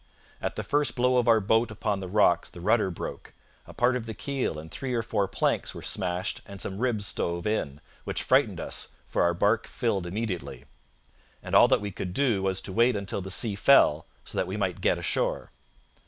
'At the first blow of our boat upon the rocks the rudder broke, a part of the keel and three or four planks were smashed and some ribs stove in, which frightened us, for our barque filled immediately; and all that we could do was to wait until the sea fell, so that we might get ashore...